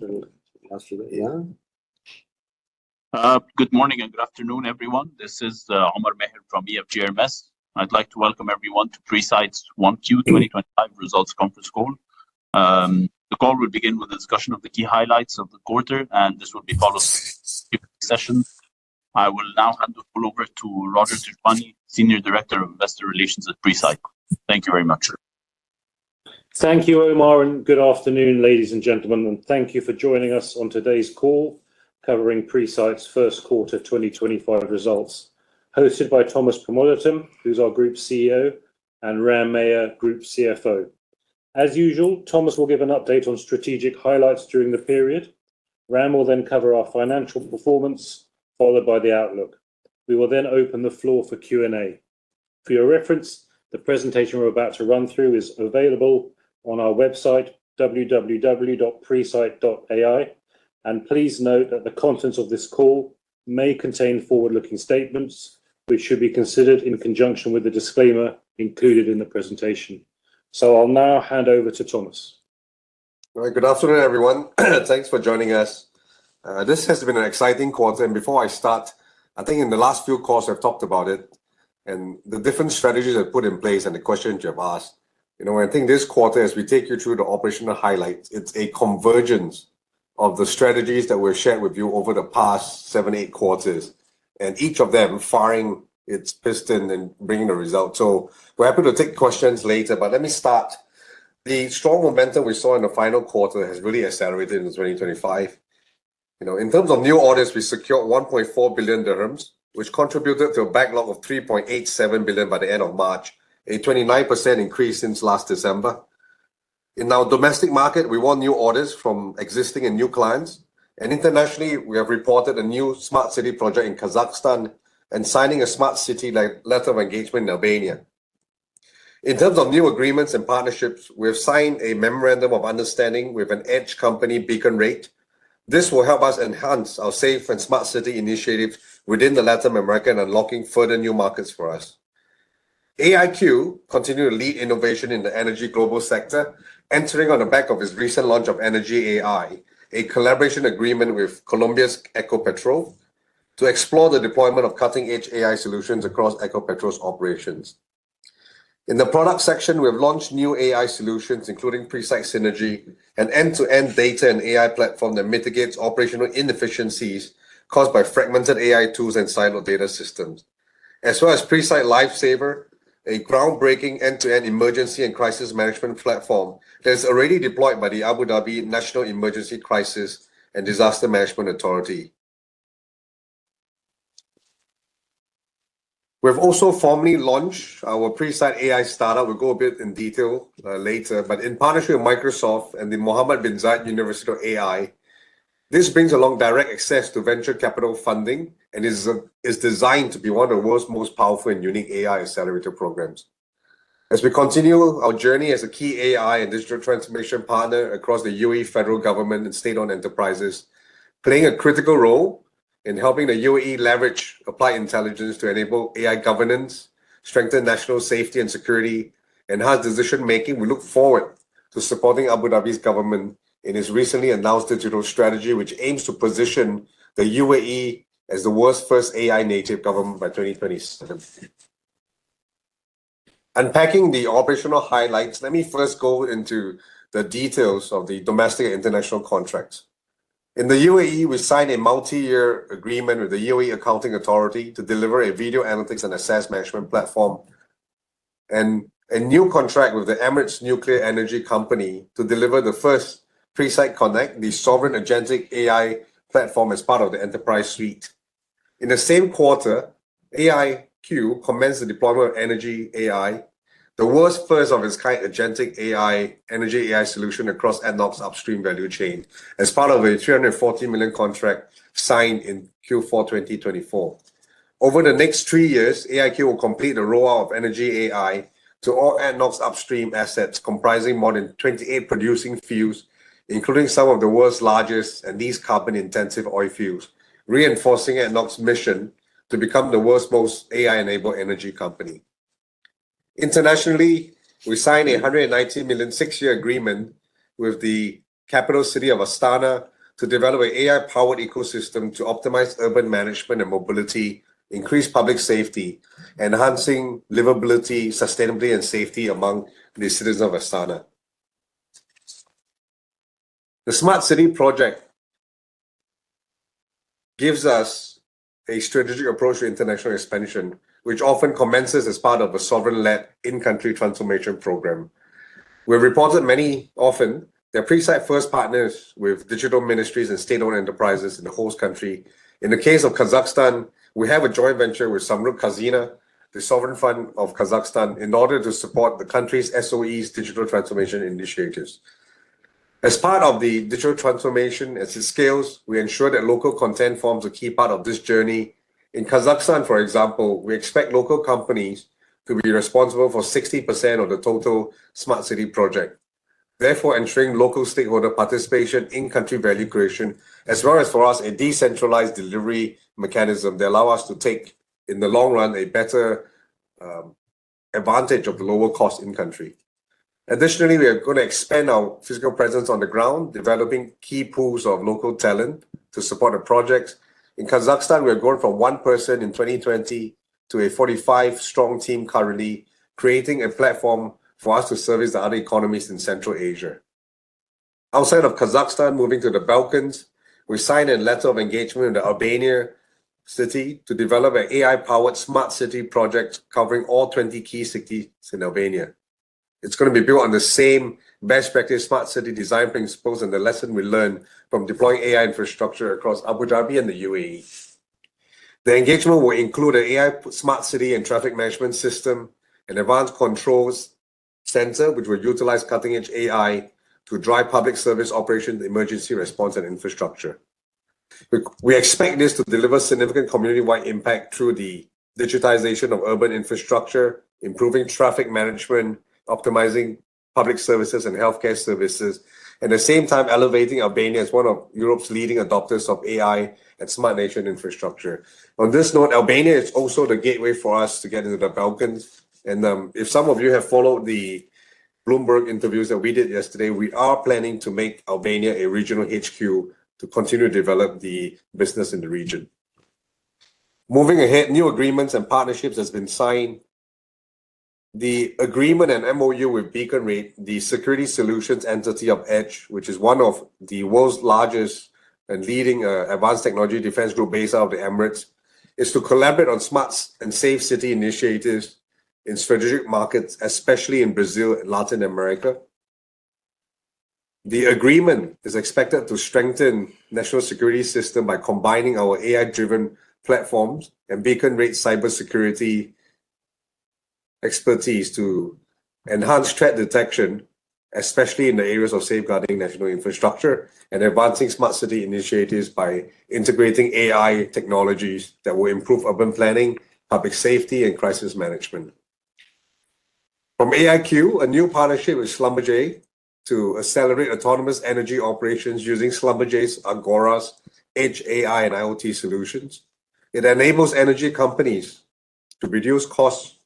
Good morning and good afternoon, everyone. This is Omar Maher from EFG Hermes. I'd like to welcome everyone to Presight's 1Q 2025 Results conference call. The call will begin with a discussion of the key highlights of the quarter, and this will be followed by a session. I will now hand the floor over to Roger Tejwani, Senior Director of Investor Relations at Presight. Thank you very much, sir. Thank you, Omar. Good afternoon, ladies and gentlemen, and thank you for joining us on today's call covering Presight's first quarter 2025 results, hosted by Thomas Pramotedham, who's our Group CEO, and Ram Meyoor, Group CFO. As usual, Thomas will give an update on strategic highlights during the period. Ram will then cover our financial performance, followed by the outlook. We will then open the floor for Q&A. For your reference, the presentation we're about to run through is available on our website, www.presight.ai, and please note that the contents of this call may contain forward-looking statements, which should be considered in conjunction with the disclaimer included in the presentation. I'll now hand over to Thomas. All right, good afternoon, everyone. Thanks for joining us. This has been an exciting quarter. Before I start, I think in the last few calls we've talked about it and the different strategies we've put in place and the questions you've asked, you know, I think this quarter, as we take you through the operational highlights, it's a convergence of the strategies that we've shared with you over the past seven, eight quarters, and each of them firing its piston and bringing the results. We're happy to take questions later, but let me start. The strong momentum we saw in the final quarter has really accelerated in 2025. You know, in terms of new orders, we secured 1.4 billion dirhams, which contributed to a backlog of 3.87 billion by the end of March, a 29% increase since last December. In our domestic market, we want new orders from existing and new clients. Internationally, we have reported a new smart city project in Kazakhstan, and signing a smart city letter of engagement in Albania. In terms of new agreements and partnerships, we have signed a memorandum of understanding with an Edge company, Beacon Red. This will help us enhance our safe and smart city initiatives within Latin America and unlocking further new markets for us. AIQ continues to lead innovation in the global energy sector, entering on the back of its recent launch of Energy AI, a collaboration agreement with Colombia's Ecopetrol, to explore the deployment of cutting-edge AI solutions across Ecopetrol's operations. In the product section, we have launched new AI solutions, including Presight Synergy, an end-to-end data and AI platform that mitigates operational inefficiencies caused by fragmented AI tools and siloed data systems, as well as Presight LifeSaver, a groundbreaking end-to-end emergency and crisis management platform that is already deployed by the Abu Dhabi National Emergency Crisis and Disaster Management Authority. We've also formally launched our Presight AI startup. We'll go a bit in detail later, but in partnership with Microsoft and the Mohamed bin Zayed University of Artificial Intelligence, this brings along direct access to venture capital funding and is designed to be one of the world's most powerful and unique AI accelerator programs. As we continue our journey as a key AI and digital transformation partner across the UAE federal government and state-owned enterprises, playing a critical role in helping the UAE leverage applied intelligence to enable AI governance, strengthen national safety and security, and enhance decision-making, we look forward to supporting Abu Dhabi's government in its recently announced digital strategy, which aims to position the UAE as the world's first AI-native government by 2027. Unpacking the operational highlights, let me first go into the details of the domestic and international contracts. In the UAE, we signed a multi-year agreement with the UAE Accounting Authority to deliver a video analytics and assessment platform and a new contract with the Emirates Nuclear Energy Corporation to deliver the first Presight Connect, the sovereign agentic AI platform as part of the enterprise suite. In the same quarter, AIQ commenced the deployment of Energy AI, the world's first of its kind agentic AI energy AI solution across ADNOC's upstream value chain as part of an 340 million contract signed in Q4 2024. Over the next three years, AIQ will complete the rollout of Energy AI to all ADNOC upstream assets, comprising more than 28 producing fields, including some of the world's largest and least carbon-intensive oil fields, reinforcing ADNOC's mission to become the world's most AI-enabled energy company. Internationally, we signed an 119 million six-year agreement with the capital city of Astana to develop an AI-powered ecosystem to optimize urban management and mobility, increase public safety, enhancing livability sustainably and safety among the citizens of Astana. The smart city project gives us a strategic approach to international expansion, which often commences as part of a sovereign-led in-country transformation program. We've reported many often that Presight first partners with digital ministries and state-owned enterprises in the host country. In the case of Kazakhstan, we have a joint venture with Samruk-Kazyna, the sovereign fund of Kazakhstan, in order to support the country's SOEs' digital transformation initiatives. As part of the digital transformation, as it scales, we ensure that local consent forms a key part of this journey. In Kazakhstan, for example, we expect local companies to be responsible for 60% of the total smart city project, therefore ensuring local stakeholder participation in country value creation, as well as for us a decentralized delivery mechanism that allows us to take, in the long run, a better advantage of the lower cost in-country. Additionally, we are going to expand our physical presence on the ground, developing key pools of local talent to support the projects. In Kazakhstan, we are going from one person in 2020 to a 45-strong team currently creating a platform for us to service the other economies in Central Asia. Outside of Kazakhstan, moving to the Balkans, we signed a letter of engagement with the Albania city to develop an AI-powered smart city project covering all 20 key cities in Albania. It's going to be built on the same best practice smart city design principles and the lesson we learned from deploying AI infrastructure across Abu Dhabi and the UAE. The engagement will include an AI smart city and traffic management system, an advanced controls center, which will utilize cutting-edge AI to drive public service operations, emergency response, and infrastructure. We expect this to deliver significant community-wide impact through the digitization of urban infrastructure, improving traffic management, optimizing public services and healthcare services, and at the same time elevating Albania as one of Europe's leading adopters of AI and smart nation infrastructure. On this note, Albania is also the gateway for us to get into the Balkans. If some of you have followed the Bloomberg interviews that we did yesterday, we are planning to make Albania a regional HQ to continue to develop the business in the region. Moving ahead, new agreements and partnerships have been signed. The agreement and MoU with Beacon Red, the security solutions entity of Edge, which is one of the world's largest and leading advanced technology defense group based out of the Emirates, is to collaborate on smart and safe city initiatives in strategic markets, especially in Brazil and Latin America. The agreement is expected to strengthen the national security system by combining our AI-driven platforms and Beacon Red cybersecurity expertise to enhance threat detection, especially in the areas of safeguarding national infrastructure and advancing smart city initiatives by integrating AI technologies that will improve urban planning, public safety, and crisis management. From AIQ, a new partnership with Schlumberger to accelerate autonomous energy operations using Schlumberger's Agora's edge AI and IoT solutions. It enables energy companies to reduce costs,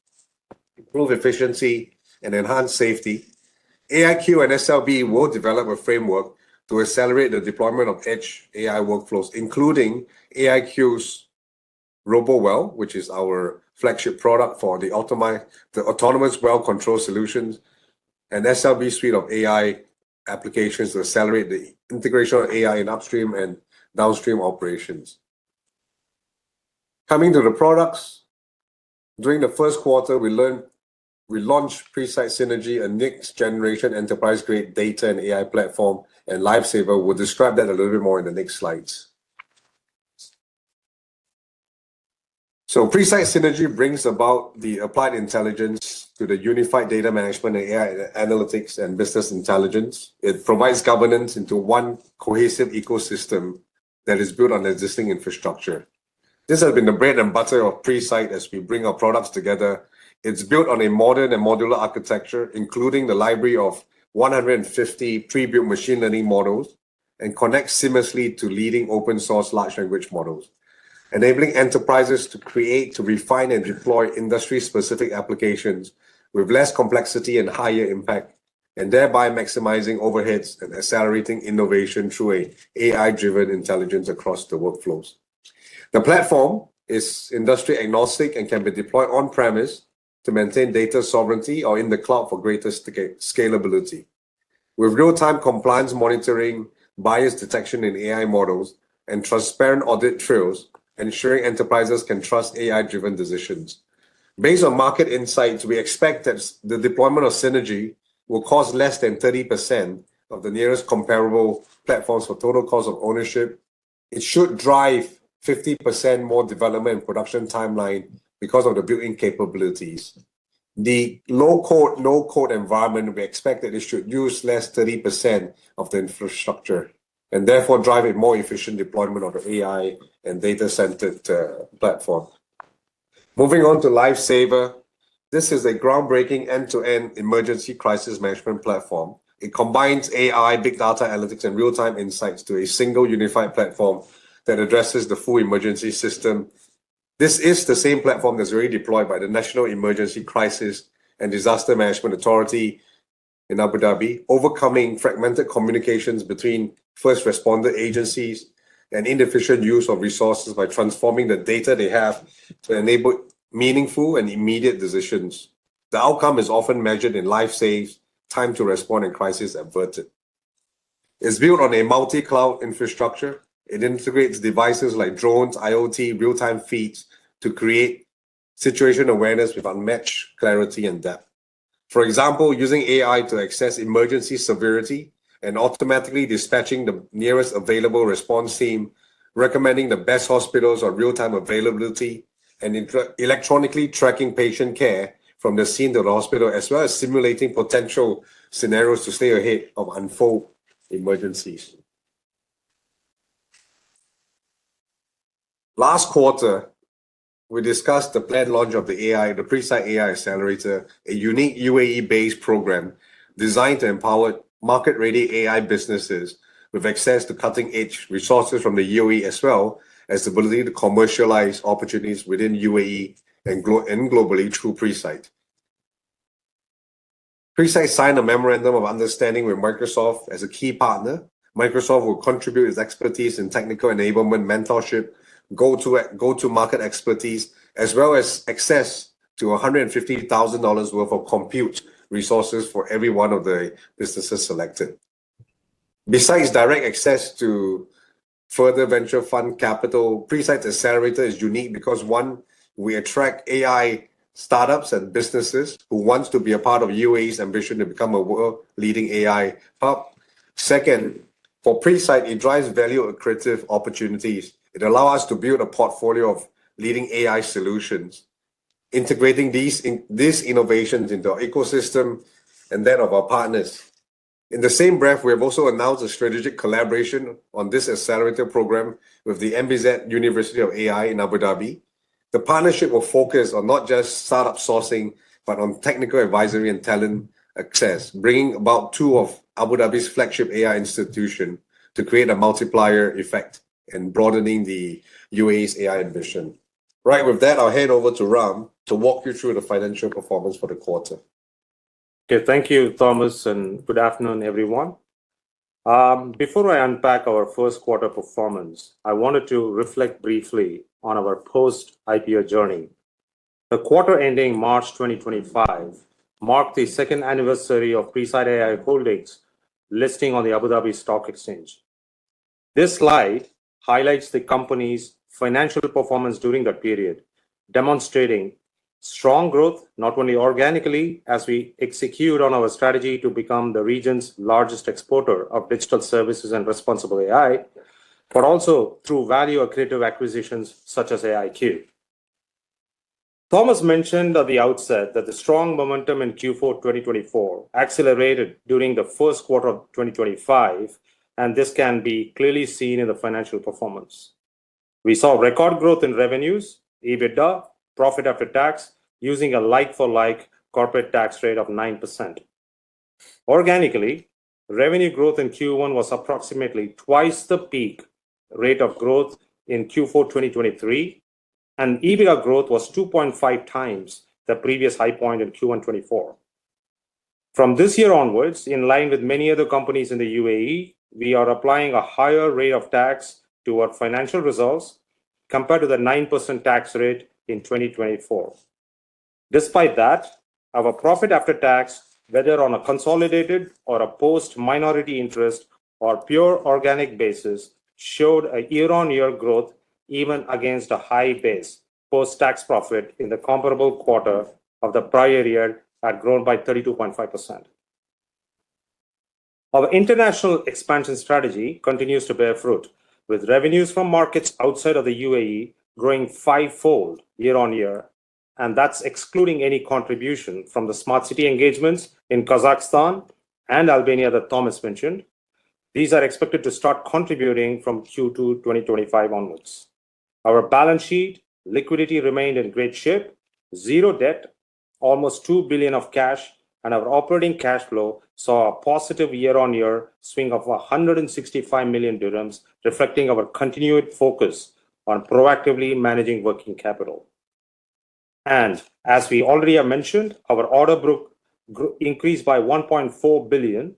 improve efficiency, and enhance safety. AIQ and SLB will develop a framework to accelerate the deployment of edge AI workflows, including AIQ's RoboWell, which is our flagship product for the autonomous well control solutions, and SLB's suite of AI applications to accelerate the integration of AI in upstream and downstream operations. Coming to the products, during the first quarter, we launched Presight Synergy, a next-generation enterprise-grade data and AI platform, and LifeSaver. We'll describe that a little bit more in the next slides. Presight Synergy brings about the applied intelligence to the unified data management and AI analytics, and business intelligence. It provides governance into one cohesive ecosystem that is built on existing infrastructure. This has been the bread and butter of Presight as we bring our products together. It's built on a modern and modular architecture, including the library of 150 pre-built machine learning models, and connects seamlessly to leading open-source large language models, enabling enterprises to create, to refine, and deploy industry-specific applications with less complexity and higher impact, and thereby maximizing overheads and accelerating innovation through AI-driven intelligence across the workflows. The platform is industry-agnostic and can be deployed on-premise to maintain data sovereignty or in the cloud for greater scalability, with real-time compliance monitoring, bias detection in AI models, and transparent audit trails, ensuring enterprises can trust AI-driven decisions. Based on market insights, we expect that the deployment of Synergy will cost less than 30% of the nearest comparable platforms for total cost of ownership. It should drive 50% more development and production timeline because of the built-in capabilities. The low-code, no-code environment, we expect that it should use less than 30% of the infrastructure and therefore drive a more efficient deployment of the AI and data-centered platform. Moving on to LifeSaver. This is a groundbreaking end-to-end emergency crisis management platform. It combines AI, big data analytics, and real-time insights to a single unified platform that addresses the full emergency system. This is the same platform that's already deployed by the National Emergency Crisis and Disaster Management Authority in Abu Dhabi, overcoming fragmented communications between first responder agencies and inefficient use of resources by transforming the data they have to enable meaningful and immediate decisions. The outcome is often measured in life saves, time to respond, and crisis averted. It's built on a multi-cloud infrastructure. It integrates devices like drones, IoT, real-time feeds to create situation awareness with unmatched clarity and depth. For example, using AI to access emergency severity and automatically dispatching the nearest available response team, recommending the best hospitals or real-time availability, and electronically tracking patient care from the scene to the hospital, as well as simulating potential scenarios to stay ahead of unfolding emergencies. Last quarter, we discussed the planned launch of the AI, the Presight AI Accelerator, a unique UAE-based program designed to empower market-ready AI businesses with access to cutting-edge resources from the UAE, as well as the ability to commercialize opportunities within the UAE and globally through Presight. Presight signed a memorandum of understanding with Microsoft as a key partner. Microsoft will contribute its expertise in technical enablement, mentorship, go-to-market expertise, as well as access to $150,000 worth of compute resources for every one of the businesses selected. Besides direct access to further venture fund capital, Presight Accelerator is unique because, one, we attract AI startups and businesses who want to be a part of UAE's ambition to become a world-leading AI hub. Second, for Presight, it drives value-accretive opportunities. It allows us to build a portfolio of leading AI solutions, integrating these innovations into our ecosystem and that of our partners. In the same breath, we have also announced a strategic collaboration on this accelerator program with the MBZUAI in Abu Dhabi. The partnership will focus on not just startup sourcing, but on technical advisory and talent access, bringing about two of Abu Dhabi's flagship AI institutions to create a multiplier effect in broadening the UAE's AI ambition. Right with that, I'll hand over to Ram to walk you through the financial performance for the quarter. Okay, thank you, Thomas, and good afternoon, everyone. Before I unpack our first quarter performance, I wanted to reflect briefly on our post-IPO journey. The quarter ending March 2025 marked the second anniversary of Presight AI Holding's listing on the Abu Dhabi Stock Exchange. This slide highlights the company's financial performance during that period, demonstrating strong growth not only organically as we execute on our strategy to become the region's largest exporter of digital services and responsible AI, but also through value-accretive acquisitions such as AIQ. Thomas mentioned at the outset that the strong momentum in Q4 2024 accelerated during the first quarter of 2025, and this can be clearly seen in the financial performance. We saw record growth in revenues, EBITDA, profit after tax, using a like-for-like corporate tax rate of 9%. Organically, revenue growth in Q1 was approximately twice the peak rate of growth in Q4 2023, and EBITDA growth was 2.5 times the previous high point in Q1 2024. From this year onwards, in line with many other companies in the UAE, we are applying a higher rate of tax to our financial results compared to the 9% tax rate in 2024. Despite that, our profit after tax, whether on a consolidated or a post-minority interest or pure organic basis, showed a year-on-year growth even against a high base. Post-tax profit in the comparable quarter of the prior year had grown by 32.5%. Our international expansion strategy continues to bear fruit, with revenues from markets outside of the UAE growing fivefold year-on-year, and that's excluding any contribution from the smart city engagements in Kazakhstan and Albania that Thomas mentioned. These are expected to start contributing from Q2 2025 onwards. Our balance sheet liquidity remained in great shape, zero debt, almost 2 billion of cash, and our operating cash flow saw a positive year-on-year swing of 165 million dirhams, reflecting our continued focus on proactively managing working capital. As we already have mentioned, our order book increased by 1.4 billion,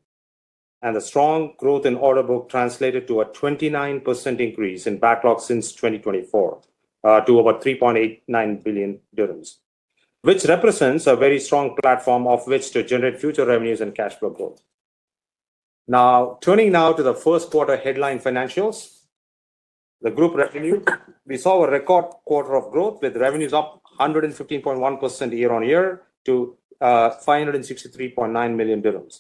and the strong growth in order book translated to a 29% increase in backlog since 2024 to over 3.89 billion dirhams, which represents a very strong platform of which to generate future revenues and cash flow growth. Now, turning now to the first quarter headline financials, the group revenue, we saw a record quarter of growth with revenues up 115.1% year-on-year to 563.9 million dirhams.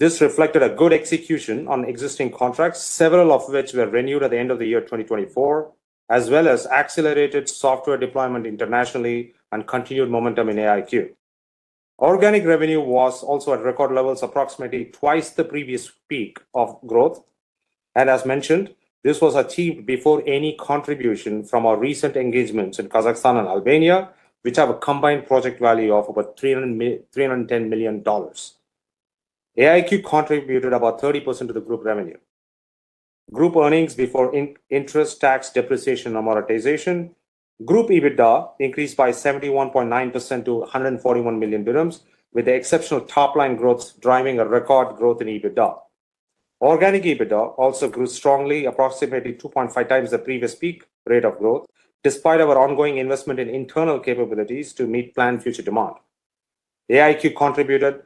This reflected a good execution on existing contracts, several of which were renewed at the end of the year 2024, as well as accelerated software deployment internationally and continued momentum in AIQ. Organic revenue was also at record levels, approximately twice the previous peak of growth. As mentioned, this was achieved before any contribution from our recent engagements in Kazakhstan and Albania, which have a combined project value of about $310 million. AIQ contributed about 30% to the group revenue. Group earnings before interest, tax, depreciation, and amortization. Group EBITDA increased by 71.9% to 141 million dirhams, with the exceptional top-line growth driving a record growth in EBITDA. Organic EBITDA also grew strongly, approximately 2.5 times the previous peak rate of growth, despite our ongoing investment in internal capabilities to meet planned future demand. AIQ contributed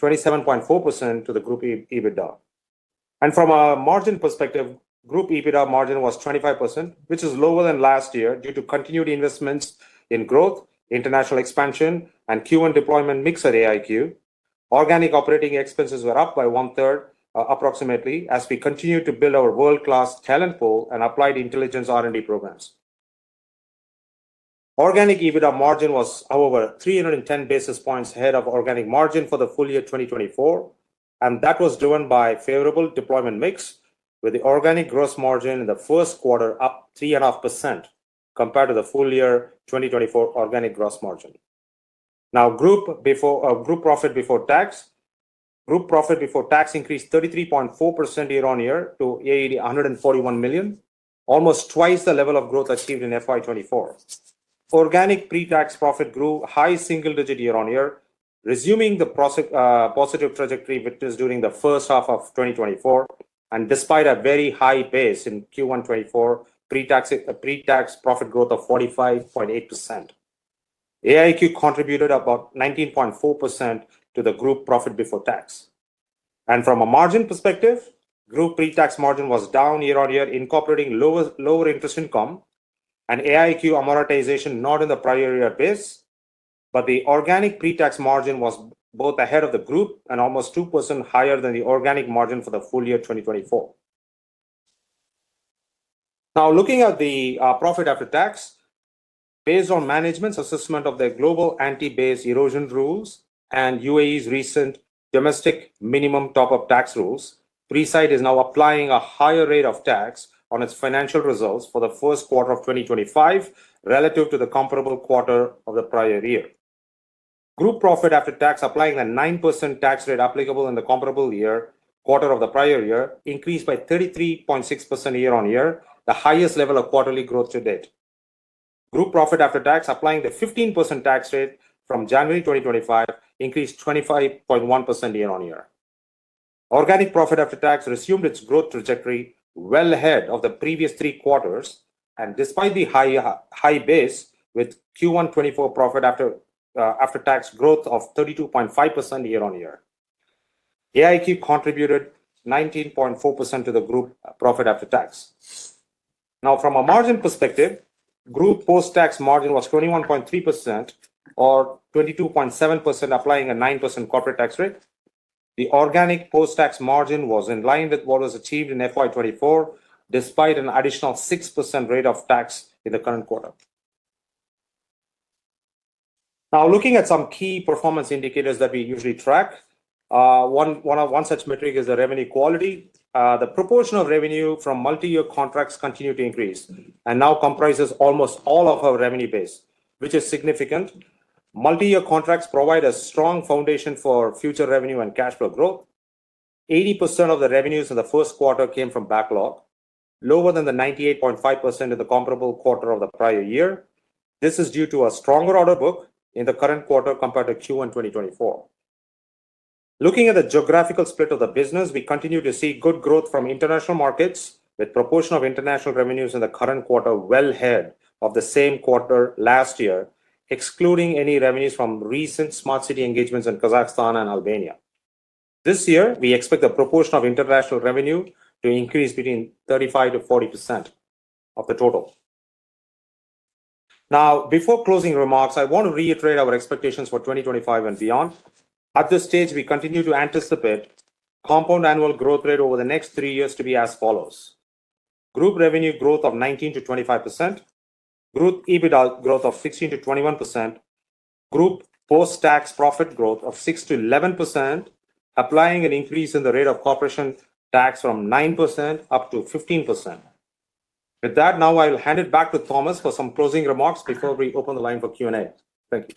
27.4% to the group EBITDA. From a margin perspective, group EBITDA margin was 25%, which is lower than last year due to continued investments in growth, international expansion, and Q1 deployment mix at AIQ. Organic operating expenses were up by one-third, approximately, as we continued to build our world-class talent pool and applied intelligence R&D programs. Organic EBITDA margin was, however, 310 basis points ahead of organic margin for the full year 2024, and that was driven by favorable deployment mix, with the organic gross margin in the first quarter up 3.5% compared to the full year 2024 organic gross margin. Now, group profit before tax. Group profit before tax increased 33.4% year-on-year to AED 141 million, almost twice the level of growth achieved in FY 2024. Organic pre-tax profit grew high single-digit year-on-year, resuming the positive trajectory witnessed during the first half of 2024, and despite a very high base in Q1 2024, pre-tax profit growth of 45.8%. AIQ contributed about 19.4% to the group profit before tax. From a margin perspective, group pre-tax margin was down year-on-year, incorporating lower interest income and AIQ amortization not in the prior year base, but the organic pre-tax margin was both ahead of the group and almost 2% higher than the organic margin for the full year 2024. Now, looking at the profit after tax, based on management's assessment of the global anti-base erosion rules and UAE's recent domestic minimum top-up tax rules, Presight is now applying a higher rate of tax on its financial results for the first quarter of 2025 relative to the comparable quarter of the prior year. Group profit after tax, applying the 9% tax rate applicable in the comparable quarter of the prior year, increased by 33.6% year-on-year, the highest level of quarterly growth to date. Group profit after tax, applying the 15% tax rate from January 2025, increased 25.1% year-on-year. Organic profit after tax resumed its growth trajectory well ahead of the previous three quarters, and despite the high base, with Q1 2024 profit after tax growth of 32.5% year-on-year, AIQ contributed 19.4% to the group profit after tax. Now, from a margin perspective, group post-tax margin was 21.3% or 22.7%, applying a 9% corporate tax rate. The organic post-tax margin was in line with what was achieved in FY 2024, despite an additional 6% rate of tax in the current quarter. Now, looking at some key performance indicators that we usually track, one such metric is the revenue quality. The proportion of revenue from multi-year contracts continued to increase and now comprises almost all of our revenue base, which is significant. Multi-year contracts provide a strong foundation for future revenue and cash flow growth. 80% of the revenues in the first quarter came from backlog, lower than the 98.5% in the comparable quarter of the prior year. This is due to a stronger order book in the current quarter compared to Q1 2024. Looking at the geographical split of the business, we continue to see good growth from international markets, with the proportion of international revenues in the current quarter well ahead of the same quarter last year, excluding any revenues from recent smart city engagements in Kazakhstan and Albania. This year, we expect the proportion of international revenue to increase between 35%-40% of the total. Now, before closing remarks, I want to reiterate our expectations for 2025 and beyond. At this stage, we continue to anticipate compound annual growth rate over the next three years to be as follows: group revenue growth of 19%-25%, group EBITDA growth of 16%-21%, group post-tax profit growth of 6%-11%, applying an increase in the rate of corporation tax from 9% up to 15%. With that, now I'll hand it back to Thomas for some closing remarks before we open the line for Q&A. Thank you.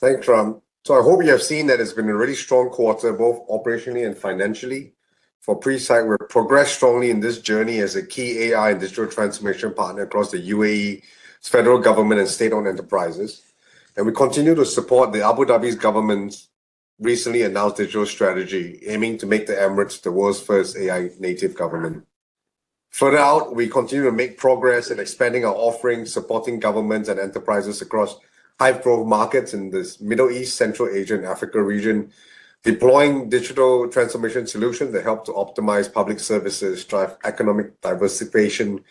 Thanks, Ram. I hope you have seen that it's been a really strong quarter, both operationally and financially. For Presight, we progressed strongly in this journey as a key AI and digital transformation partner across the UAE's federal government and state-owned enterprises. We continue to support the Abu Dhabi government's recently announced digital strategy, aiming to make the Emirates the world's first AI-native government. Further out, we continue to make progress in expanding our offering, supporting governments and enterprises across high-growth markets in the Middle East, Central Asia, and Africa region, deploying digital transformation solutions that help to optimize public services, drive economic diversification,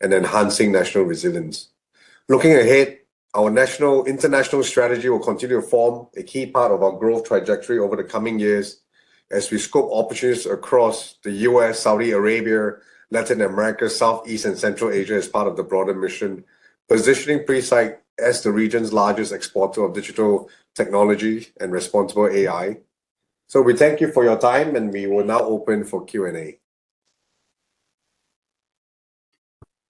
and enhance national resilience. Looking ahead, our national international strategy will continue to form a key part of our growth trajectory over the coming years as we scope opportunities across the U.S., Saudi Arabia, Latin America, Southeast, and Central Asia as part of the broader mission, positioning Presight as the region's largest exporter of digital technology and responsible AI. We thank you for your time, and we will now open for Q&A.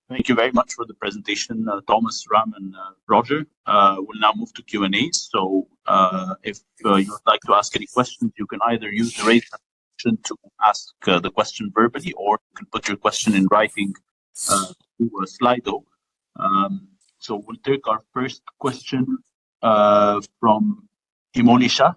Thank you very much for the presentation, Thomas, Ram, and Roger. We'll now move to Q&A. If you would like to ask any questions, you can either use the raised hand function to ask the question verbally, or you can put your question in writing to Slido. We'll take our first question from Emoli Shah.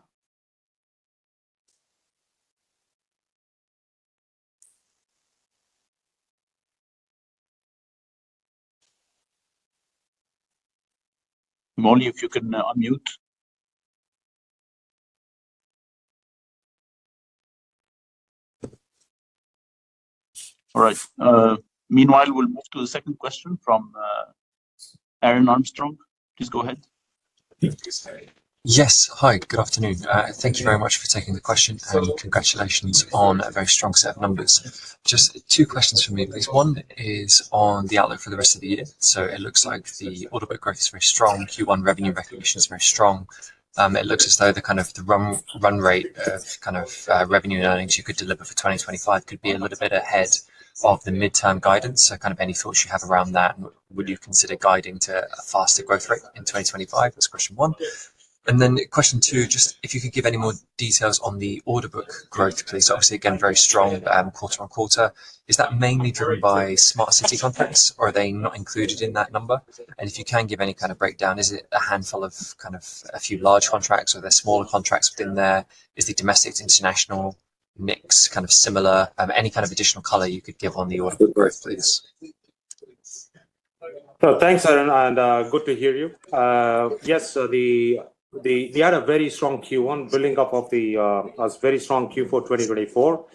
Emoli, if you can unmute. All right. Meanwhile, we'll move to the second question from Aaron Armstrong. Please go ahead. Thank you, sir. Yes. Hi. Good afternoon. Thank you very much for taking the question, and congratulations on a very strong set of numbers. Just two questions for me, please. One is on the outlook for the rest of the year. It looks like the order book growth is very strong. Q1 revenue recognition is very strong. It looks as though the kind of the run rate of kind of revenue and earnings you could deliver for 2025 could be a little bit ahead of the midterm guidance. Any thoughts you have around that, and would you consider guiding to a faster growth rate in 2025? That's question one. Question two, just if you could give any more details on the order book growth, please. Obviously, again, very strong quarter-on-quarter. Is that mainly driven by smart city contracts, or are they not included in that number? If you can give any kind of breakdown, is it a handful of a few large contracts, or are there smaller contracts within there? Is the domestic international mix similar? Any additional color you could give on the order book growth, please? Thanks, Aaron, and good to hear you. Yes, we had a very strong Q1, building up off the very strong Q4 2024.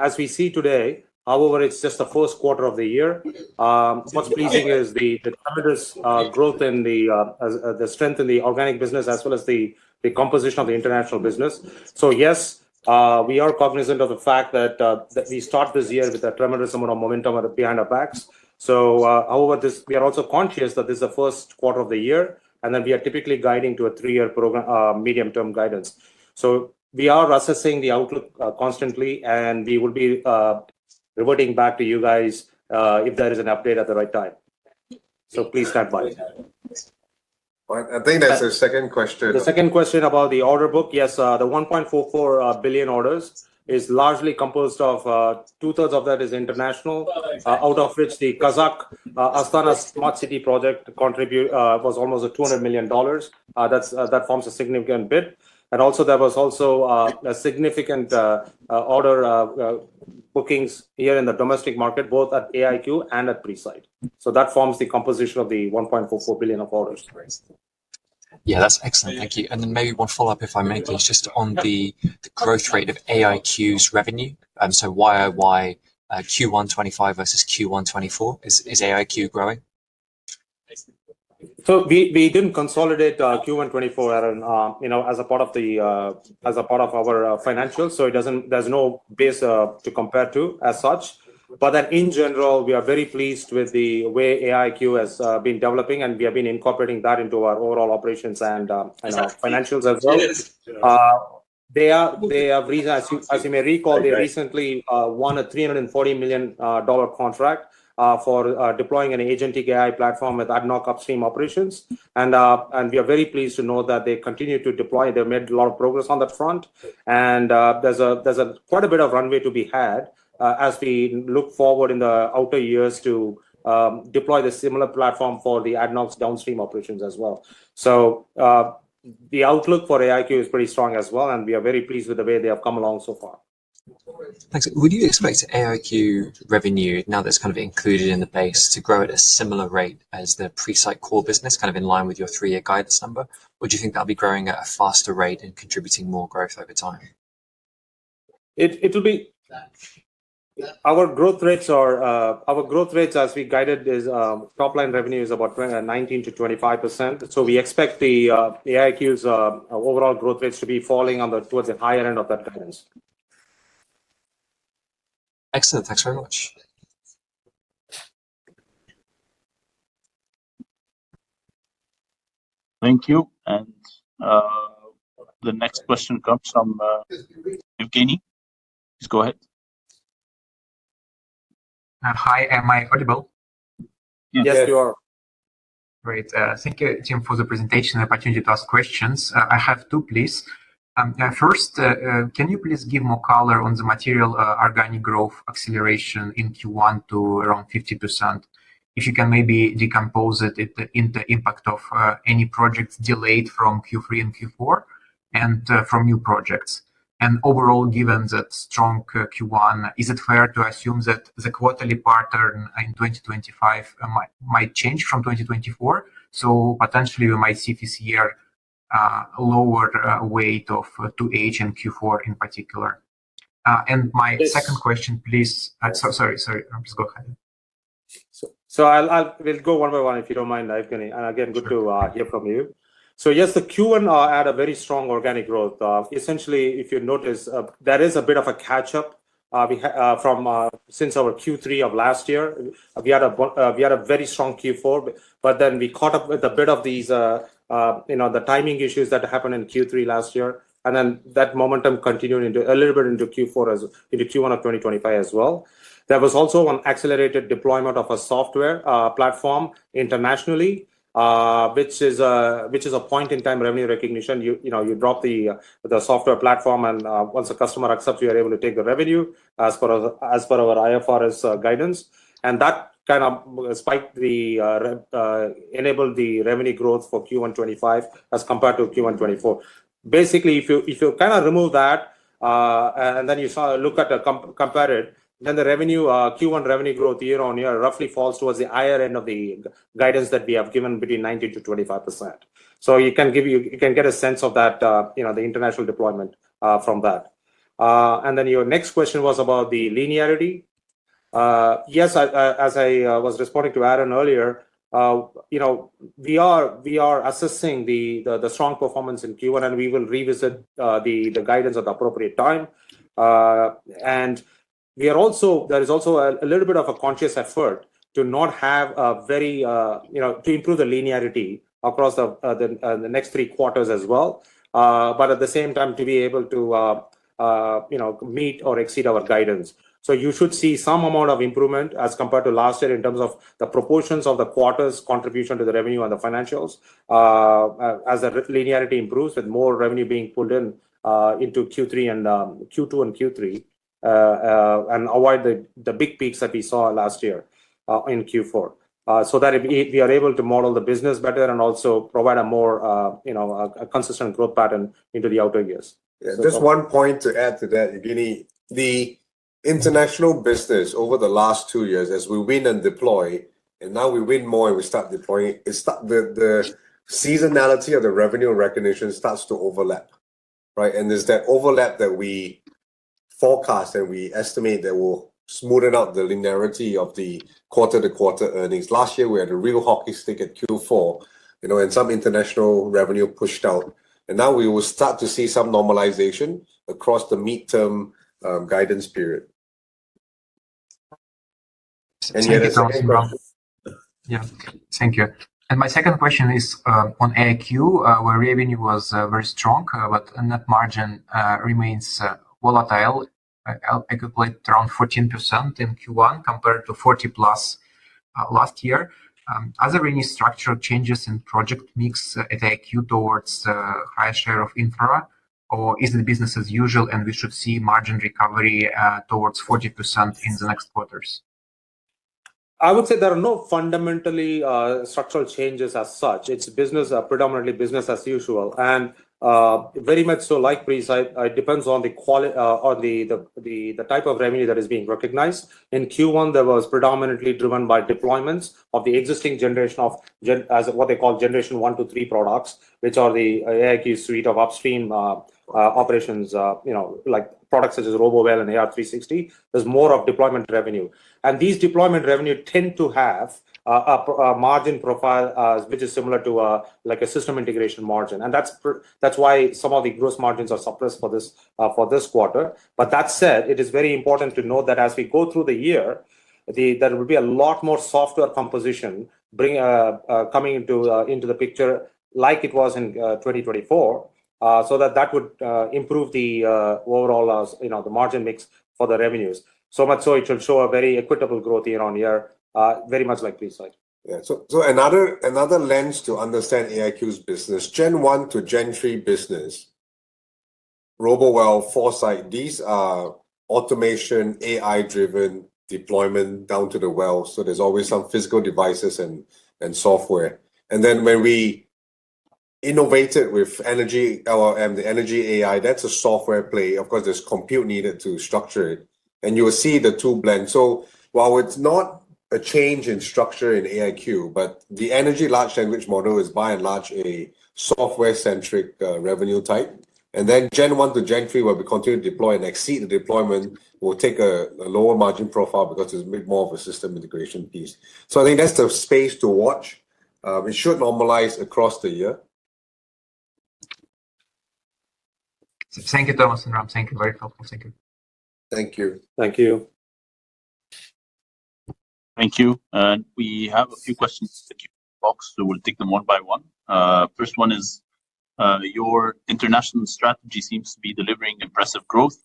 As we see today, however, it's just the first quarter of the year. What's pleasing is the tremendous growth and the strength in the organic business, as well as the composition of the international business. Yes, we are cognizant of the fact that we start this year with a tremendous amount of momentum behind our backs. However, we are also conscious that this is the first quarter of the year, and we are typically guiding to a three-year medium-term guidance. We are assessing the outlook constantly, and we will be reverting back to you guys if there is an update at the right time. Please stand by. All right. I think that's the second question. The second question about the order book, yes, the 1.44 billion orders is largely composed of two-thirds of that is international, out of which the Kazakh Astana Smart City project contributed was almost $200 million. That forms a significant bit. There was also a significant order bookings here in the domestic market, both at AIQ and at Presight. That forms the composition of the 1.44 billion of orders. Yeah, that's excellent. Thank you. Maybe one follow-up, if I may, please, just on the growth rate of AIQ's revenue. YIY Q1 2025 versus Q1 2024. Is AIQ growing? We did not consolidate Q1 2024, Aaron, as a part of our financials, so there's no base to compare to as such. In general, we are very pleased with the way AIQ has been developing, and we have been incorporating that into our overall operations and financials as well. They have, as you may recall, recently won a $340 million contract for deploying an agentic AI platform with ADNOC upstream operations. We are very pleased to know that they continue to deploy. They've made a lot of progress on that front. There is quite a bit of runway to be had as we look forward in the outer years to deploy the similar platform for ADNOC's downstream operations as well. The outlook for AIQ is pretty strong as well, and we are very pleased with the way they have come along so far. Thanks. Would you expect AIQ revenue, now that it's kind of included in the base, to grow at a similar rate as the Presight core business, kind of in line with your three-year guidance number? Or do you think that'll be growing at a faster rate and contributing more growth over time? It will be. Our growth rates are our growth rates as we guided is top-line revenue is about 19%-25%. We expect the AIQ's overall growth rates to be falling towards the higher end of that guidance. Excellent. Thanks very much. Thank you. The next question comes from Yevgeny. Please go ahead. Hi. Am I audible? Yes, you are. Great. Thank you, Jim, for the presentation and the opportunity to ask questions. I have two, please. First, can you please give more color on the material organic growth acceleration in Q1 to around 50%? If you can maybe decompose it into the impact of any projects delayed from Q3 and Q4, and from new projects. Overall, given that strong Q1, is it fair to assume that the quarterly pattern in 2025 might change from 2024? Potentially, we might see this year a lower weight of Q3 and Q4 in particular. My second question, please. Sorry, sorry. Please go ahead. We will go one by one, if you do not mind, Yevgeny. Again, good to hear from you. Yes, the Q1 are at a very strong organic growth. Essentially, if you notice, there is a bit of a catch-up from since our Q3 of last year. We had a very strong Q4, but then we caught up with a bit of these timing issues that happened in Q3 last year. That momentum continued a little bit into Q4, into Q1 of 2025 as well. There was also an accelerated deployment of a software platform internationally, which is a point-in-time revenue recognition. You drop the software platform, and once a customer accepts, you are able to take the revenue as per our IFRS guidance. That kind of spiked and enabled the revenue growth for Q1 2025 as compared to Q1 2024. Basically, if you remove that and then you look at a comparative, the Q1 revenue growth year-on-year roughly falls towards the higher end of the guidance that we have given between 19%-25%. You can get a sense of the international deployment from that. Your next question was about the linearity. Yes, as I was responding to Aaron earlier, we are assessing the strong performance in Q1, and we will revisit the guidance at the appropriate time. There is also a little bit of a conscious effort to improve the linearity across the next three quarters as well, but at the same time, to be able to meet or exceed our guidance. You should see some amount of improvement as compared to last year in terms of the proportions of the quarters' contribution to the revenue and the financials as the linearity improves with more revenue being pulled into Q2 and Q3 and avoid the big peaks that we saw last year in Q4 so that we are able to model the business better and also provide a more consistent growth pattern into the outer years. Just one point to add to that, Yevgeny. The international business over the last two years, as we win and deploy, and now we win more and we start deploying, the seasonality of the revenue recognition starts to overlap. There's that overlap that we forecast, and we estimate that will smoothen out the linearity of the quarter-to-quarter earnings. Last year, we had a real hockey stick at Q4, and some international revenue pushed out. Now we will start to see some normalization across the midterm guidance period. You had a second graph. Yeah. Thank you. My second question is on AIQ, where revenue was very strong, but net margin remains volatile, aggregate around 14% in Q1 compared to 40% plus last year. Are there any structural changes in project mix at AIQ towards higher share of infra, or is it business as usual, and we should see margin recovery towards 40% in the next quarters? I would say there are no fundamentally structural changes as such. It's predominantly business as usual. Very much so, like Presight, it depends on the type of revenue that is being recognized. In Q1, there was predominantly driven by deployments of the existing generation of what they call generation one to three products, which are the AIQ suite of upstream operations, like products such as RoboWell and AR360. There is more of deployment revenue. These deployment revenues tend to have a margin profile which is similar to a system integration margin. That is why some of the gross margins are suppressed for this quarter. That said, it is very important to note that as we go through the year, there will be a lot more software composition coming into the picture like it was in 2024, so that would improve the overall margin mix for the revenues. It should show a very equitable growth year-on-year, very much like Presight. Another lens to understand AIQ's business, Gen 1 to Gen 3 business, RoboWell, Foresight, these are automation, AI-driven deployment down to the well. There is always some physical devices and software. When we innovated with Energy AI, that is a software play. Of course, there is compute needed to structure it. You will see the two blend. While it is not a change in structure in AIQ, the energy large language model is by and large a software-centric revenue type. Gen 1 to Gen 3, where we continue to deploy and exceed the deployment, will take a lower margin profile because it's a bit more of a system integration piece. I think that's the space to watch. It should normalize across the year. Thank you, Thomas and Ram. Thank you. Very helpful. Thank you. Thank you. Thank you. Thank you. We have a few questions in the Q&A box, so we'll take them one by one. First one is, your international strategy seems to be delivering impressive growth.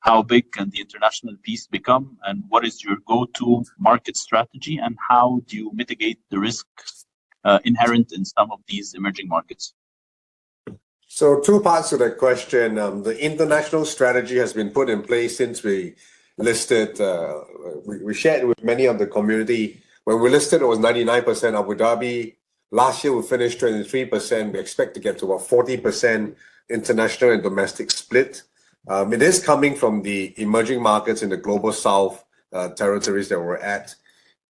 How big can the international piece become, and what is your go-to market strategy, and how do you mitigate the risks inherent in some of these emerging markets? Two parts to that question. The international strategy has been put in place since we shared with many of the community. When we listed, it was 99% Abu Dhabi. Last year, we finished 23%. We expect to get to about 40% international and domestic split. It is coming from the emerging markets in the global south territories that we're at.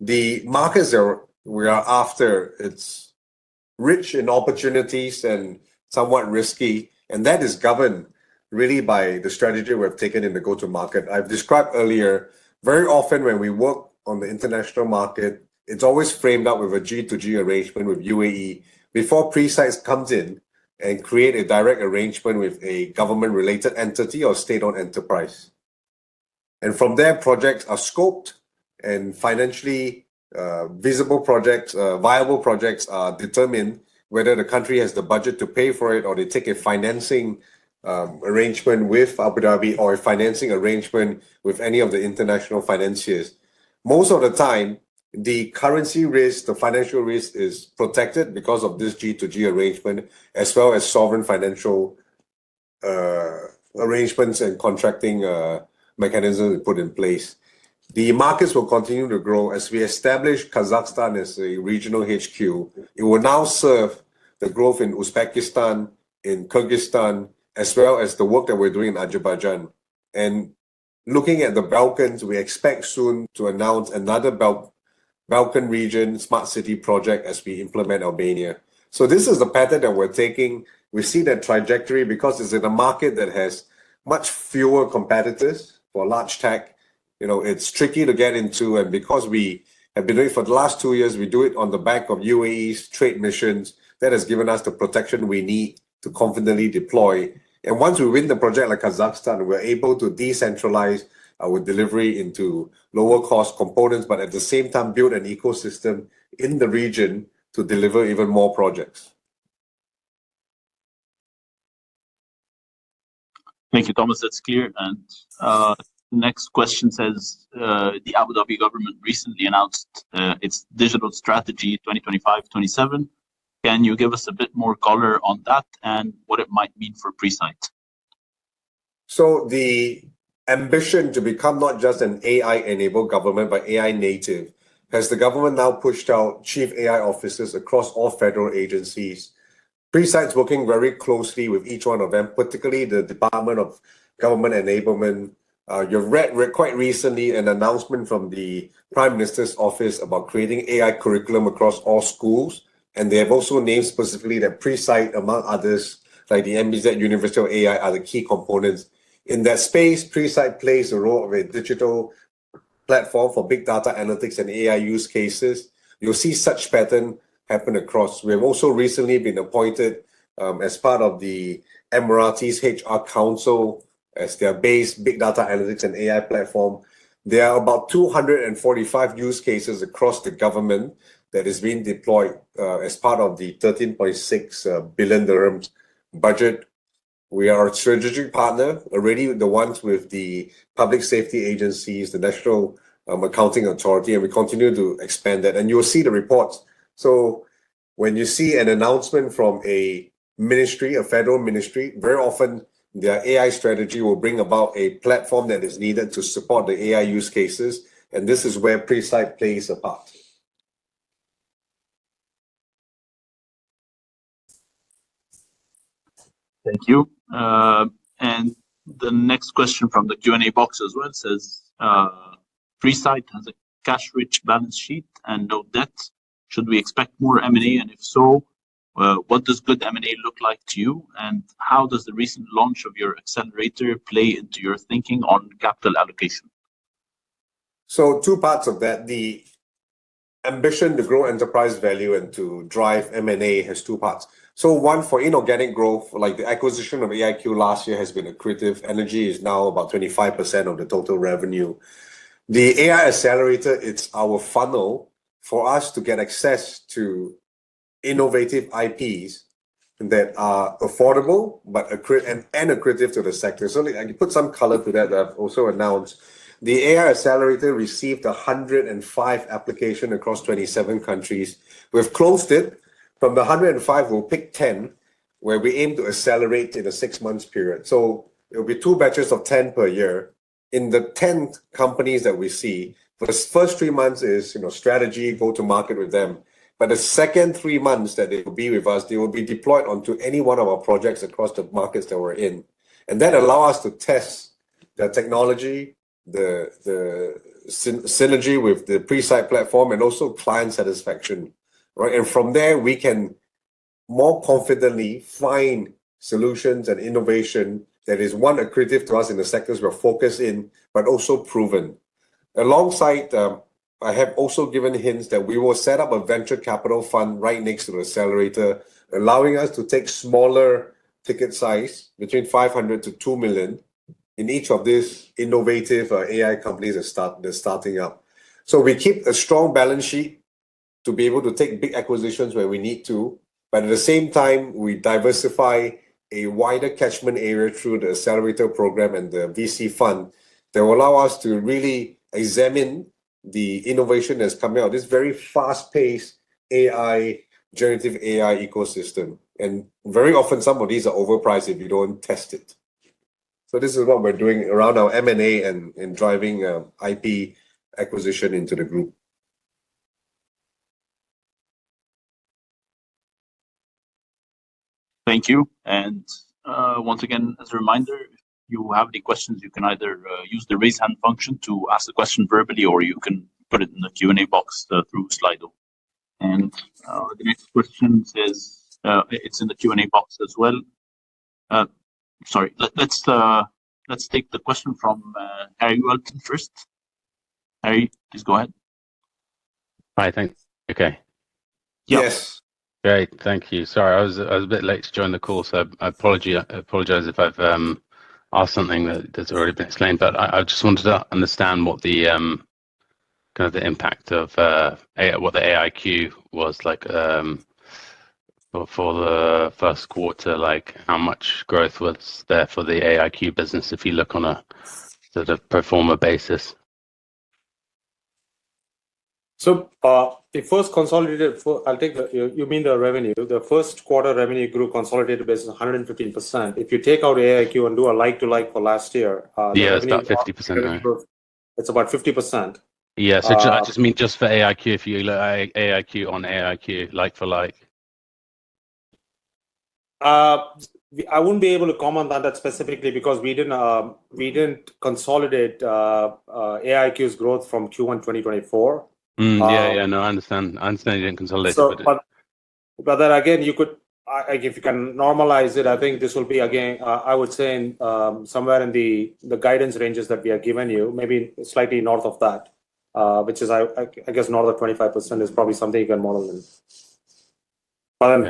The markets that we are after, it's rich in opportunities and somewhat risky. That is governed really by the strategy we've taken in the go-to market. I've described earlier, very often when we work on the international market, it's always framed up with a G to G arrangement with UAE before Presight comes in and creates a direct arrangement with a government-related entity or state-owned enterprise. From there, projects are scoped, and financially viable projects are determined whether the country has the budget to pay for it or they take a financing arrangement with Abu Dhabi or a financing arrangement with any of the international financiers. Most of the time, the currency risk, the financial risk is protected because of this G to G arrangement, as well as sovereign financial arrangements and contracting mechanisms put in place. The markets will continue to grow. As we established Kazakhstan as a regional HQ, it will now serve the growth in Uzbekistan, in Kyrgyzstan, as well as the work that we're doing in Azerbaijan. Looking at the Balkans, we expect soon to announce another Balkan region smart city project as we implement Albania. This is the pattern that we're taking. We see that trajectory because it's in a market that has much fewer competitors for large tech. It's tricky to get into. Because we have been doing it for the last two years, we do it on the back of UAE's trade missions. That has given us the protection we need to confidently deploy. Once we win the project like Kazakhstan, we're able to decentralize our delivery into lower-cost components, but at the same time, build an ecosystem in the region to deliver even more projects. Thank you, Thomas. That's clear. The next question says, the Abu Dhabi government recently announced its digital strategy 2025-2027. Can you give us a bit more color on that and what it might mean for Presight? The ambition to become not just an AI-enabled government, but AI-native, has the government now pushed out chief AI officers across all federal agencies. Presight is working very closely with each one of them, particularly the Department of Government Enablement. You read quite recently an announcement from the Prime Minister's Office about creating AI curriculum across all schools. They have also named specifically that Presight, among others, like the MBZUAI, are the key components. In that space, Presight plays the role of a digital platform for big data analytics and AI use cases. You'll see such pattern happen across. We have also recently been appointed as part of the MRRT's HR Council, as their base big data analytics and AI platform. There are about 245 use cases across the government that are being deployed as part of the 13.6 billion dirhams budget. We are a strategic partner already with the ones with the public safety agencies, the UAE Accounting Authority, and we continue to expand that. You'll see the reports. When you see an announcement from a ministry, a federal ministry, very often their AI strategy will bring about a platform that is needed to support the AI use cases. This is where Presight plays a part. Thank you. The next question from the Q&A box as well says, Presight has a cash-rich balance sheet and no debt. Should we expect more M&A? If so, what does good M&A look like to you? How does the recent launch of your accelerator play into your thinking on capital allocation? Two parts to that. The ambition to grow enterprise value and to drive M&A has two parts. One for inorganic growth, like the acquisition of AIQ last year, has been accretive energy. It is now about 25% of the total revenue. The AI accelerator is our funnel for us to get access to innovative IPs that are affordable and accretive to the sector. Let me put some color to that that I have also announced. The AI accelerator received 105 applications across 27 countries. We have closed it. From the 105, we'll pick 10 where we aim to accelerate in a six-month period. It will be two batches of 10 per year. In the 10 companies that we see, the first three months is strategy, go-to-market with them. The second three months that they will be with us, they will be deployed onto any one of our projects across the markets that we're in. That allows us to test the technology, the synergy with the Presight platform, and also client satisfaction. From there, we can more confidently find solutions and innovation that is, one, accretive to us in the sectors we're focused in, but also proven. Alongside, I have also given hints that we will set up a venture capital fund right next to the accelerator, allowing us to take smaller ticket size between 500,000-2 million in each of these innovative AI companies that are starting up. We keep a strong balance sheet to be able to take big acquisitions where we need to. At the same time, we diversify a wider catchment area through the accelerator program and the VC fund that will allow us to really examine the innovation that is coming out of this very fast-paced generative AI ecosystem. Very often, some of these are overpriced if you do not test it. This is what we are doing around our M&A and driving IP acquisition into the group. Thank you. Once again, as a reminder, if you have any questions, you can either use the raise hand function to ask the question verbally, or you can put it in the Q&A box through Slido. The next question says it's in the Q&A box as well. Sorry. Let's take the question from Harry Walton first. Harry, please go ahead. Hi. Thanks. Okay. Yes. Great. Thank you. Sorry, I was a bit late to join the call, so I apologize if I've asked something that's already been explained. I just wanted to understand what the impact of what the AIQ was like for the first quarter, like how much growth was there for the AIQ business if you look on a sort of performer basis. It was consolidated. You mean the revenue. The first quarter revenue grew consolidated basis 115%. If you take out AIQ and do a like-to-like for last year, that means it's about 50%. It's about 50%. Yeah. I just mean just for AIQ, if you look at AIQ on AIQ, like-for-like. I wouldn't be able to comment on that specifically because we didn't consolidate AIQ's growth from Q1 2024. Yeah. Yeah. No, I understand. I understand you didn't consolidate it. If you can normalize it, I think this will be, again, I would say somewhere in the guidance ranges that we have given you, maybe slightly north of that, which is, I guess, north of 25% is probably something you can model in.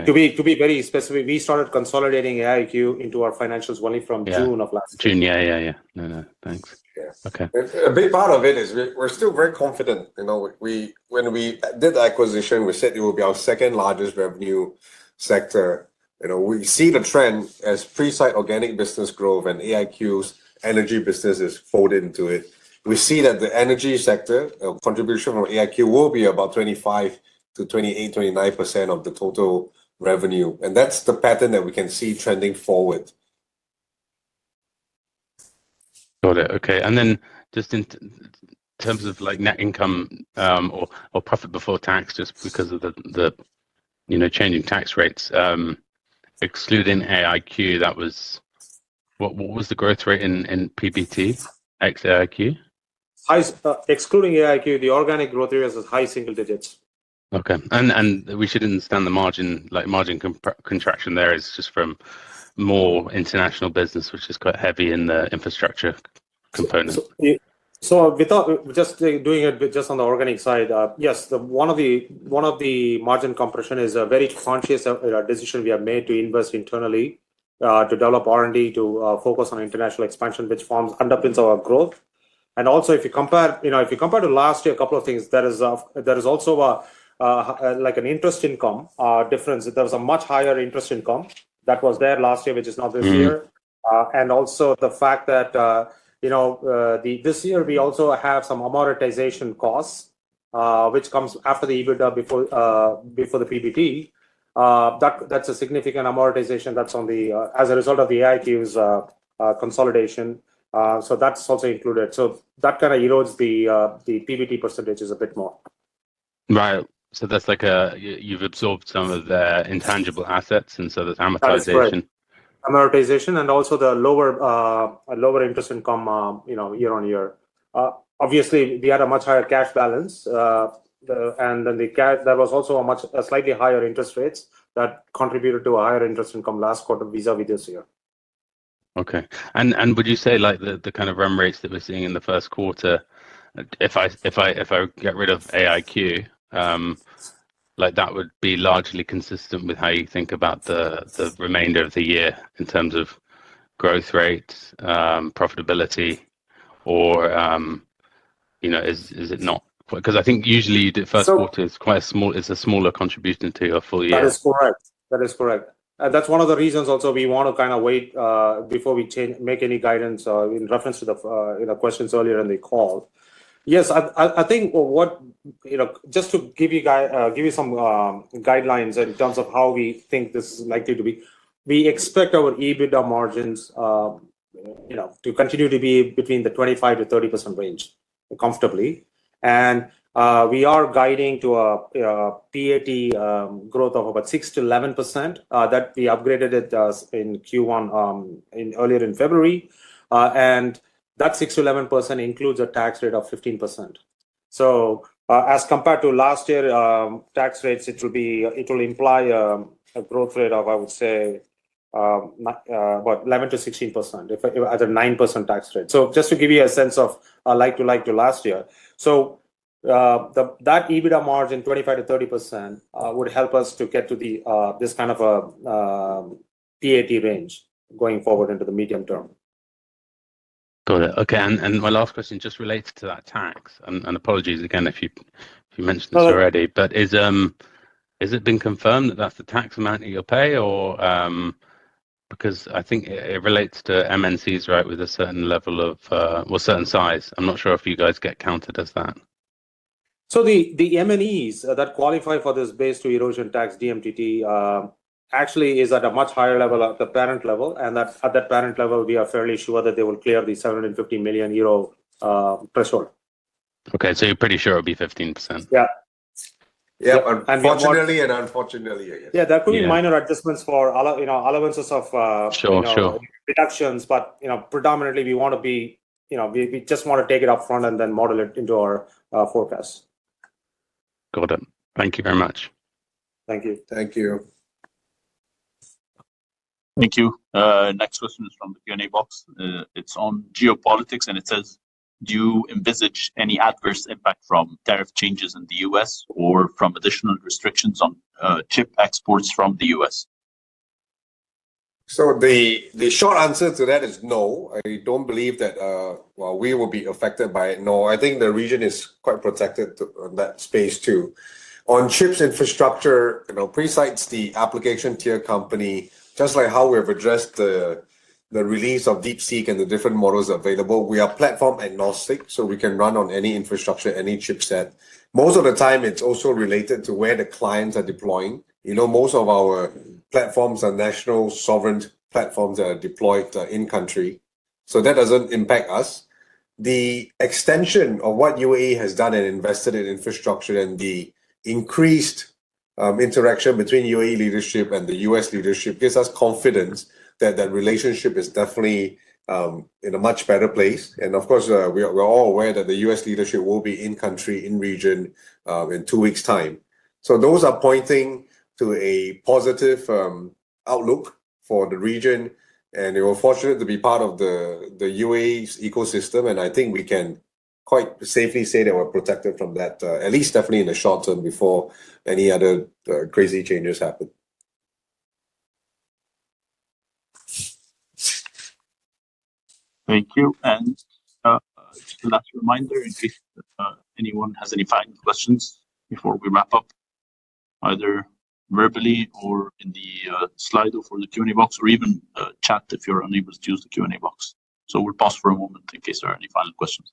To be very specific, we started consolidating AIQ into our financials only from June of last year. June. Yeah. Yeah. Yeah. No, no. Thanks. Okay. A big part of it is we're still very confident. When we did the acquisition, we said it will be our second largest revenue sector. We see the trend as Presight organic business growth, and AIQ's energy business is folded into it. We see that the energy sector contribution from AIQ will be about 25%-28%, 29% of the total revenue. That's the pattern that we can see trending forward. Got it. Okay. In terms of net income or profit before tax, just because of the changing tax rates, excluding AIQ, what was the growth rate in PBT ex AIQ? Excluding AIQ, the organic growth rate was high single digits. Okay. We should understand the margin contraction there is just from more international business, which is quite heavy in the infrastructure component. Just doing it just on the organic side, yes, one of the margin compression is a very conscious decision we have made to invest internally to develop R&D to focus on international expansion, which underpins our growth. Also, if you compare to last year, a couple of things, there is also an interest income difference. There was a much higher interest income that was there last year, which is not this year. Also, the fact that this year, we also have some amortization costs, which comes after the EBITDA before the PBT. That is a significant amortization that is as a result of the AIQ's consolidation. That is also included. That kind of erodes the PBT percentages a bit more. Right. That is like you have absorbed some of the intangible assets, and so there is amortization. Amortization and also the lower interest income year-on-year. Obviously, we had a much higher cash balance. There was also slightly higher interest rates that contributed to a higher interest income last quarter, vis-à-vis this year. Okay. Would you say the kind of run rates that we're seeing in the first quarter, if I get rid of AIQ, that would be largely consistent with how you think about the remainder of the year in terms of growth rates, profitability, or is it not? I think usually the first quarter is quite a small, it's a smaller contribution to your full year. T hat is correct. That is correct. That is one of the reasons also we want to kind of wait before we make any guidance in reference to the questions earlier in the call. Yes, I think just to give you some guidelines in terms of how we think this is likely to be, we expect our EBITDA margins to continue to be between the 25%-30% range comfortably. We are guiding to a PAT growth of about 6%-11%. That we upgraded in Q1 earlier in February. That 6%-11% includes a tax rate of 15%. As compared to last year's tax rates, it will imply a growth rate of, I would say, about 11%-16%, at a 9% tax rate. Just to give you a sense of like-to-like to last year. That EBITDA margin, 25%-30%, would help us to get to this kind of PAT range going forward into the medium term. Got it. Okay. My last question just relates to that tax. Apologies again if you mentioned this already. Has it been confirmed that that's the tax amount that you'll pay? I think it relates to MNEs, right, with a certain level of, well, certain size. I'm not sure if you guys get counted as that. The MNEs that qualify for this base-to-erosion tax, DMTT, actually is at a much higher level at the parent level. At that parent level, we are fairly sure that they will clear the 750 million euro threshold. Okay. You're pretty sure it'll be 15%? Yeah. Yeah. Unfortunately and unfortunately, yes. There could be minor adjustments for allowances of reductions. Predominantly, we want to be, we just want to take it upfront and then model it into our forecast. Got it. Thank you very much. Thank you. Thank you. Thank you. Next question is from the Q&A box. It's on geopolitics. It says, "Do you envisage any adverse impact from tariff changes in the U.S. or from additional restrictions on chip exports from the U.S.?" The short answer to that is no. I don't believe that we will be affected by it. No. I think the region is quite protected in that space too. On chips infrastructure, Presight's the application tier company. Just like how we've addressed the release of DeepSeek and the different models available, we are platform agnostic. We can run on any infrastructure, any chipset. Most of the time, it's also related to where the clients are deploying. Most of our platforms are national sovereign platforms that are deployed in-country. That doesn't impact us. The extension of what UAE has done and invested in infrastructure, and the increased interaction between UAE leadership and the U.S. leadership, gives us confidence that that relationship is definitely in a much better place. Of course, we're all aware that the U.S. leadership will be in-country, in region, in two weeks' time. Those are pointing to a positive outlook for the region. We're fortunate to be part of the UAE's ecosystem. I think we can quite safely say that we're protected from that, at least definitely in the short term, before any other crazy changes happen. Thank you. Just a last reminder, in case anyone has any final questions before we wrap up, either verbally or in the Slido for the Q&A box or even chat if you're unable to use the Q&A box. We'll pause for a moment in case there are any final questions.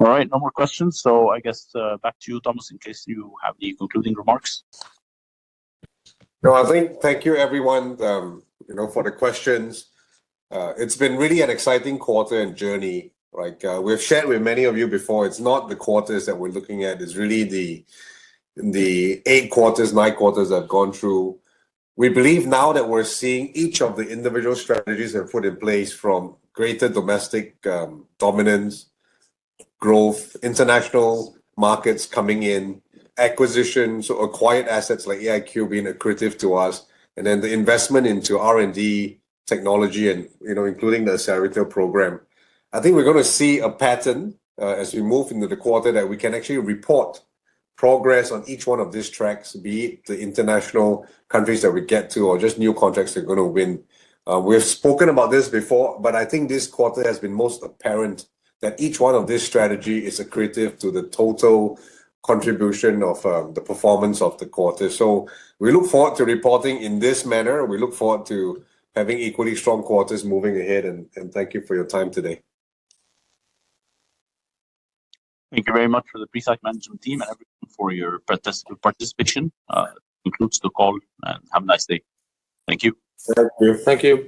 All right. No more questions. I guess back to you, Thomas, in case you have any concluding remarks. No, I think thank you, everyone, for the questions. It's been really an exciting quarter and journey. We've shared with many of you before. It's not the quarters that we're looking at. It's really the eight quarters, nine quarters that have gone through. We believe now that we're seeing each of the individual strategies that are put in place from greater domestic dominance, growth, international markets coming in, acquisitions, so acquired assets like AIQ being accretive to us, and then the investment into R&D technology, including the accelerator program. I think we're going to see a pattern as we move into the quarter that we can actually report progress on each one of these tracks, be it the international countries that we get to or just new contracts we're going to win. We've spoken about this before, but I think this quarter has been most apparent that each one of these strategies is accretive to the total contribution of the performance of the quarter. We look forward to reporting in this manner. We look forward to having equally strong quarters moving ahead. Thank you for your time today. Thank you very much for the Presight management team and everyone for your participation. This concludes the call. Have a nice day. Thank you. Thank you.